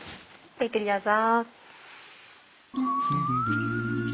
ごゆっくりどうぞ。